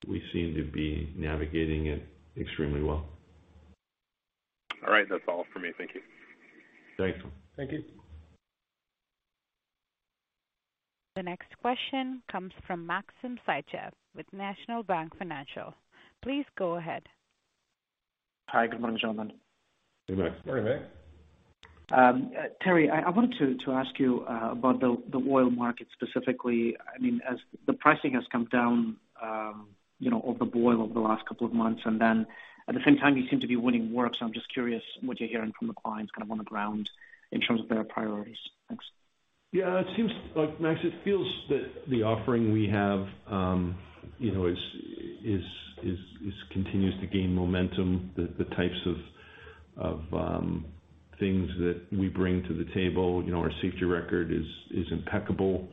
Speaker 2: but we seem to be navigating it extremely well.
Speaker 7: All right. That's all for me. Thank you.
Speaker 2: Thanks.
Speaker 3: Thank you.
Speaker 1: The next question comes from Maxim Sytchev with National Bank Financial. Please go ahead.
Speaker 8: Hi. Good morning, gentlemen.
Speaker 2: Good morning.
Speaker 8: Morning, Max. Teri, I wanted to ask you about the oil market specifically. I mean, as the pricing has come down, you know, over BOIL over the last couple of months, at the same time, you seem to be winning work. I'm just curious what you're hearing from the clients kind of on the ground in terms of their priorities. Thanks.
Speaker 2: Yeah, it seems, Max, it feels that the offering we have, you know, is continues to gain momentum. The types of things that we bring to the table. You know, our safety record is impeccable.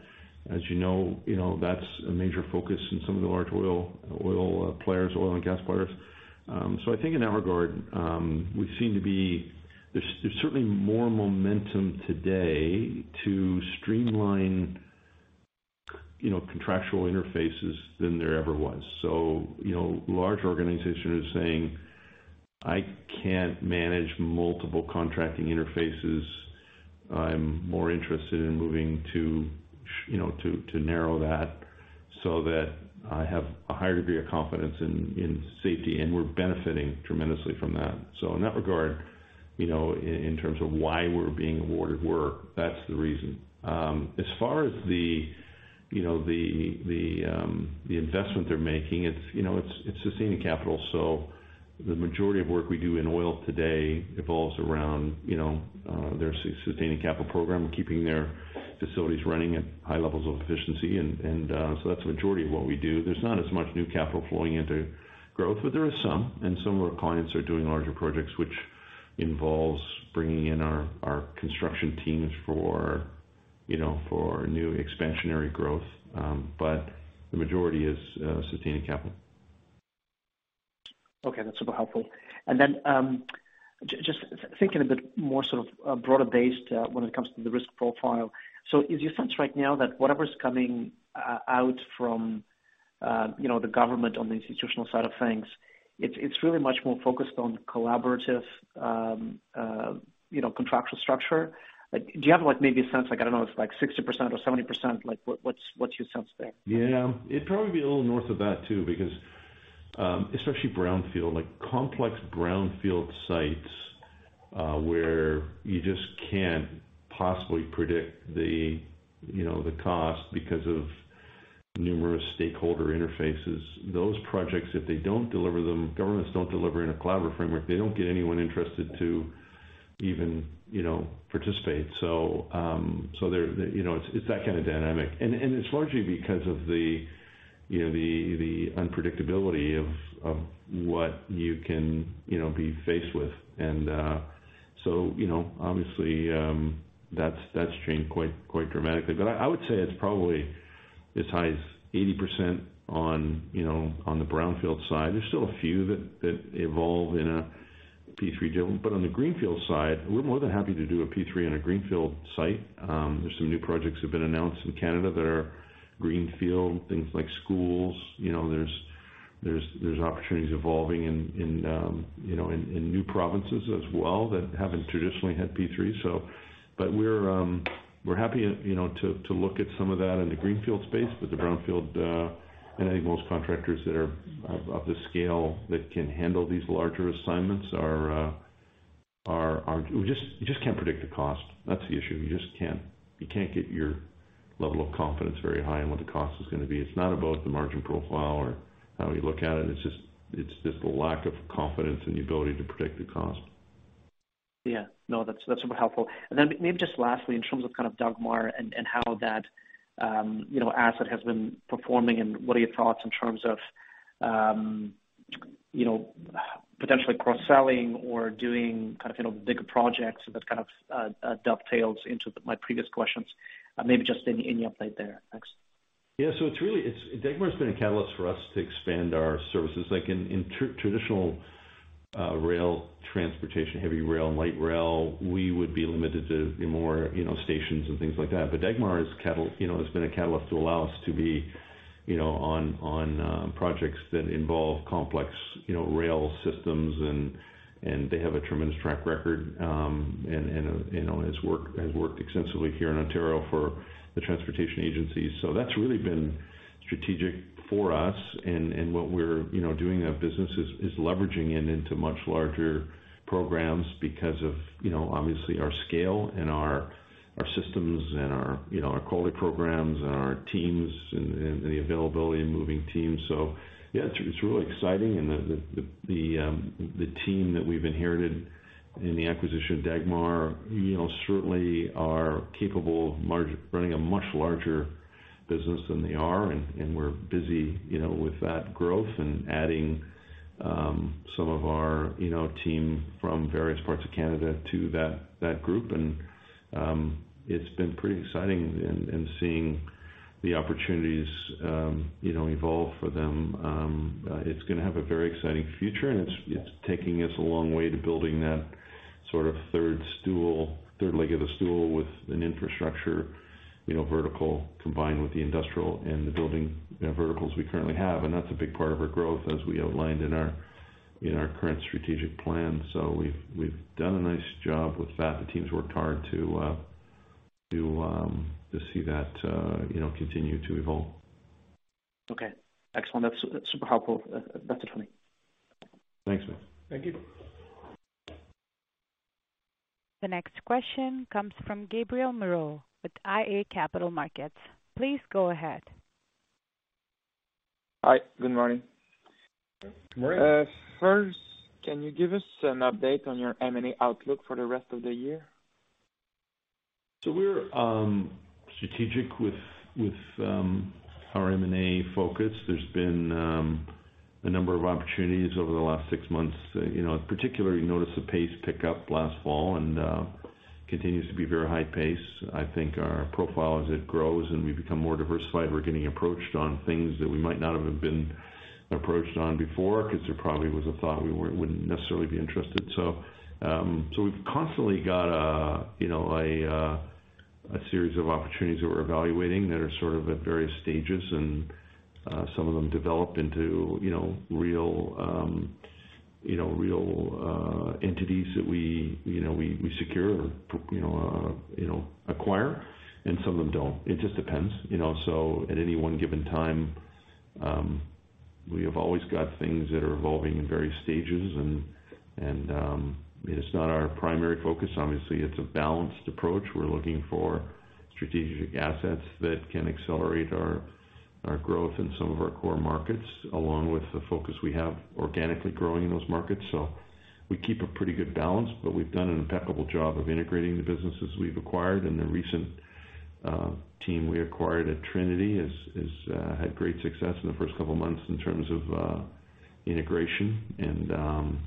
Speaker 2: As you know, that's a major focus in some of the large oil and gas players. I think in that regard, there's certainly more momentum today to streamline, you know, contractual interfaces than there ever was. You know, large organizations saying, "I can't manage multiple contracting interfaces. I'm more interested in moving to you know, to narrow that so that I have a higher degree of confidence in safety," and we're benefiting tremendously from that. In that regard, you know, in terms of why we're being awarded work, that's the reason. As far as the, you know, the investment they're making, it's, you know, it's sustaining capital. The majority of work we do in oil today revolves around, you know, their sustaining capital program and keeping their facilities running at high levels of efficiency. That's the majority of what we do. There's not as much new capital flowing into growth, but there is some, and some of our clients are doing larger projects, which involves bringing in our construction teams for, you know, for new expansionary growth. The majority is sustaining capital.
Speaker 8: That's super helpful. Just thinking a bit more sort of broader based when it comes to the risk profile. Is your sense right now that whatever's coming out from, you know, the government on the institutional side of things, it's really much more focused on collaborative, you know, contractual structure? Like, do you have, like, maybe a sense like, I don't know, if it's like 60% or 70%? Like what's, what's your sense there?
Speaker 2: Yeah. It'd probably be a little north of that too, because, especially brownfield. Like complex brownfield sites, where you just can't possibly predict the, you know, the cost because of numerous stakeholder interfaces. Those projects, if they don't deliver them, governments don't deliver in a collaborative framework, they don't get anyone interested to even, you know, participate. They're, you know, it's that kind of dynamic. It's largely because of the, you know, the unpredictability of what you can, you know, be faced with. So, you know, obviously, that's changed quite dramatically. I would say it's probably as high as 80% on, you know, on the brownfield side. There's still a few that evolve in a P3 deal, but on the greenfield side, we're more than happy to do a P3 on a greenfield site. There's some new projects that have been announced in Canada that are greenfield, things like schools. You know, there's opportunities evolving in, you know, in new provinces as well that haven't traditionally had P3. We're happy, you know, to look at some of that in the greenfield space with the brownfield, and I think most contractors that are of the scale that can handle these larger assignments are just-- You just can't predict the cost. That's the issue. You just can't. You can't get your level of confidence very high on what the cost is gonna be. It's not about the margin profile or how you look at it. It's just the lack of confidence in the ability to predict the cost.
Speaker 8: Yeah. No, that's super helpful. Maybe just lastly, in terms of kind of Dagmar and how that, you know, asset has been performing and what are your thoughts in terms of, you know, potentially cross-selling or doing kind of, you know, bigger projects? That kind of dovetails into my previous questions. Maybe just any update there. Thanks.
Speaker 2: Yeah. It's really, it's Dagmar's been a catalyst for us to expand our services. Like in traditional rail transportation, heavy rail, light rail, we would be limited to more, you know, stations and things like that. Dagmar is, you know, has been a catalyst to allow us to be, you know, on projects that involve complex, you know, rail systems and they have a tremendous track record, and, you know, has worked extensively here in Ontario for the transportation agencies. That's really been strategic for us. And what we're, you know, doing that business is leveraging it into much larger programs because of, you know, obviously our scale and our systems and our, you know, our quality programs and our teams and the availability of moving teams. Yeah, it's really exciting and the team that we've inherited in the acquisition of Dagmar, you know, certainly are capable of running a much larger business than they are. We're busy, you know, with that growth and adding some of our, you know, team from various parts of Canada to that group. It's been pretty exciting in seeing the opportunities, you know, evolve for them. It's gonna have a very exciting future, and it's taking us a long way to building that sort of third stool, third leg of the stool with an infrastructure, you know, vertical combined with the industrial and the building, you know, verticals we currently have. That's a big part of our growth as we outlined in our current strategic plan. We've done a nice job with that. The team's worked hard to see that, you know, continue to evolve.
Speaker 8: Okay. Excellent. That's super helpful. That's it for me.
Speaker 2: Thanks, man.
Speaker 3: Thank you.
Speaker 1: The next question comes from Gabriel Moreau with iA Capital Markets. Please go ahead.
Speaker 9: Hi. Good morning.
Speaker 2: Good morning.
Speaker 9: First, can you give us an update on your M&A outlook for the rest of the year?
Speaker 2: we're strategic with our M&A focus. There's been a number of opportunities over the last six months. You know, I particularly noticed the pace pick up last fall and continues to be very high paced. I think our profile, as it grows and we become more diversified, we're getting approached on things that we might not have been approached on before, 'cause there probably was a thought we wouldn't necessarily be interested. we've constantly got, you know, a series of opportunities that we're evaluating that are sort of at various stages. Some of them develop into, you know, real, you know, real entities that we, you know, we secure or, you know, acquire, and some of them don't. It just depends. You know, at any one given time, we have always got things that are evolving in various stages and it's not our primary focus. Obviously, it's a balanced approach. We're looking for strategic assets that can accelerate our growth in some of our core markets, along with the focus we have organically growing in those markets. We keep a pretty good balance, but we've done an impeccable job of integrating the businesses we've acquired. The recent team we acquired at Trinity has had great success in the first couple of months in terms of integration and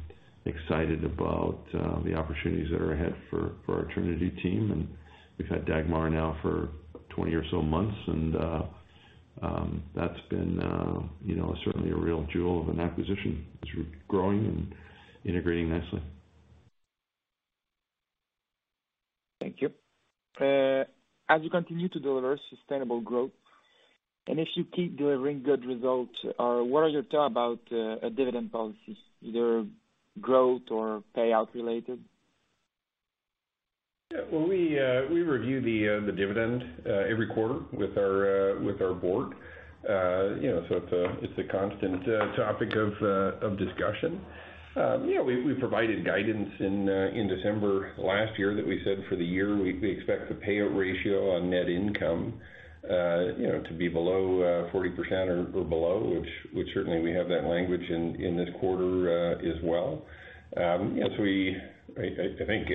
Speaker 2: excited about the opportunities that are ahead for our Trinity team. We've had Dagmar now for 20 or so months and that's been, you know, certainly a real jewel of an acquisition as we're growing and integrating nicely.
Speaker 9: Thank you. As you continue to deliver sustainable growth, and if you keep delivering good results, what are your thought about a dividend policies, either growth or payout related?
Speaker 3: Yeah. Well, we review the dividend every quarter with our board. You know, it's a constant topic of discussion. Yeah, we provided guidance in December last year that we said for the year we expect the payout ratio on net income, you know, to be below 40% or below, which certainly we have that language in this quarter as well. I think,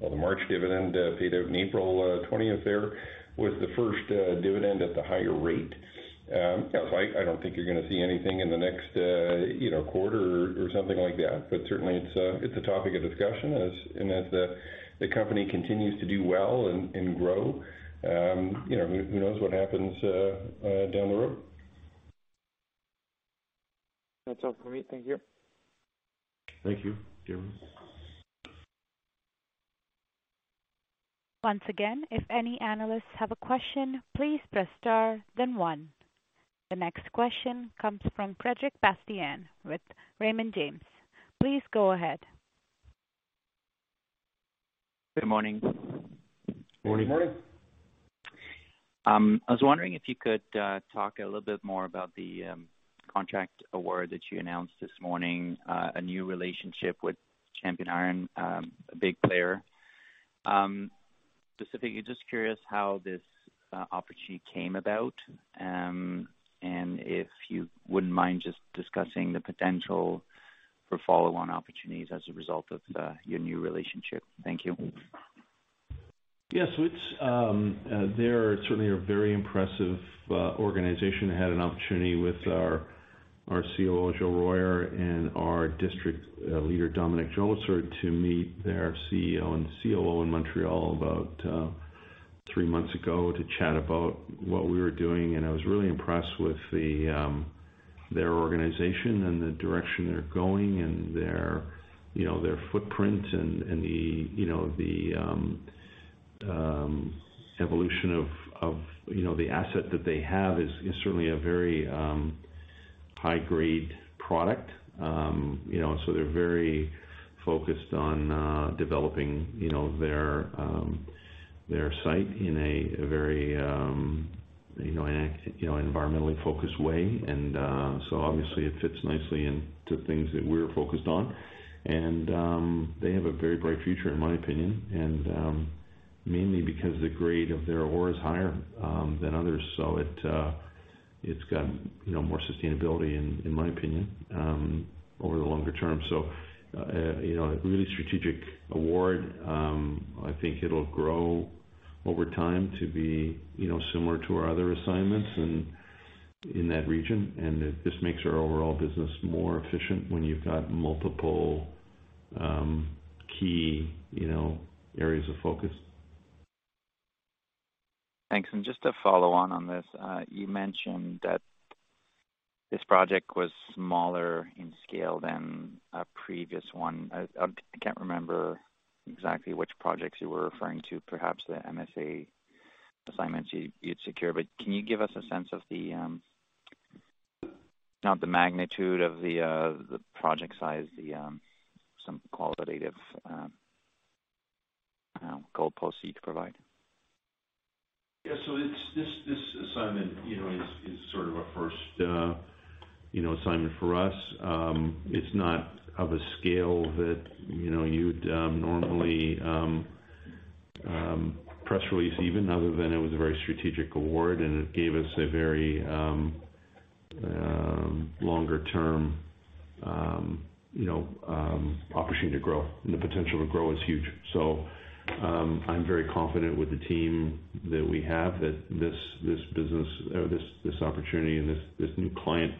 Speaker 3: well, the March dividend paid out in April 20th there, was the first dividend at the higher rate. You know, I don't think you're gonna see anything in the next, you know, quarter or something like that. Certainly it's a topic of discussion. As the company continues to do well and grow, you know, who knows what happens down the road.
Speaker 9: That's all for me. Thank you.
Speaker 2: Thank you.
Speaker 1: Once again, if any analysts have a question, please press star then one. The next question comes from Frederic Bastien with Raymond James. Please go ahead.
Speaker 10: Good morning.
Speaker 2: Morning.
Speaker 1: Good morning.
Speaker 10: I was wondering if you could talk a little bit more about the contract award that you announced this morning. A new relationship with Champion Iron, a big player. Specifically just curious how this opportunity came about. And if you wouldn't mind just discussing the potential for follow-on opportunities as a result of your new relationship. Thank you.
Speaker 2: Yes. It's, they're certainly a very impressive organization. Had an opportunity with our COO, Gilles Royer, and our district leader, Dominic Jolicœur, to meet their CEO and COO in Montreal about three months ago to chat about what we were doing. I was really impressed with the their organization and the direction they're going and their, you know, their footprint and the, you know, evolution of, you know, the asset that they have is certainly a very high grade product. You know, they're very focused on developing, you know, their site in a very, you know, environmentally focused way. Obviously it fits nicely into things that we're focused on. They have a very bright future, in my opinion. Mainly because the grade of their ore is higher than others. It's got, you know, more sustainability in my opinion over the longer term. You know, a really strategic award. I think it'll grow over time to be, you know, similar to our other assignments and in that region. It just makes our overall business more efficient when you've got multiple key, you know, areas of focus.
Speaker 10: Thanks. Just to follow on on this, you mentioned that this project was smaller in scale than a previous one. I can't remember exactly which projects you were referring to, perhaps the MSA assignments you'd secure. Can you give us a sense of the, not the magnitude of the project size, the, some qualitative, goal policy to provide?
Speaker 2: Yeah. This assignment, you know, is sort of a first, you know, assignment for us. It's not of a scale that, you know, you'd normally press release even other than it was a very strategic award and it gave us a very longer term, you know, opportunity to grow. The potential to grow is huge. I'm very confident with the team that we have that this business, this opportunity and this new client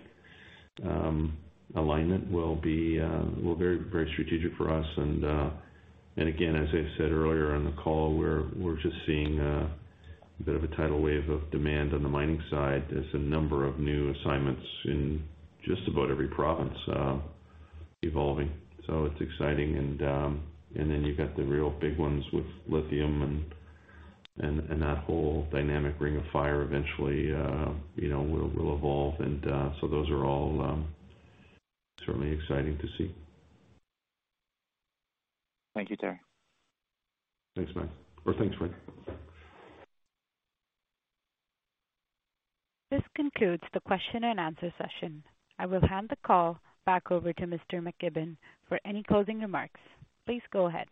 Speaker 2: alignment will be very strategic for us. Again, as I said earlier on the call, we're just seeing a bit of a tidal wave of demand on the mining side. There's a number of new assignments in just about every province evolving. It's exciting. Then you've got the real big ones with lithium and that whole dynamic ring of fire eventually, you know, will evolve. Those are all certainly exciting to see.
Speaker 10: Thank you, Terry.
Speaker 2: Thanks, man. Or thanks, Fred.
Speaker 1: This concludes the question and answer session. I will hand the call back over to Mr. McKibbon for any closing remarks. Please go ahead.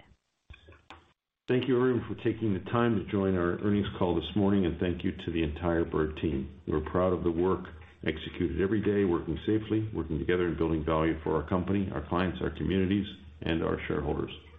Speaker 2: Thank you everyone for taking the time to join our earnings call this morning and thank you to the entire Bird team. We're proud of the work executed every day, working safely, working together and building value for our company, our clients, our communities, and our shareholders.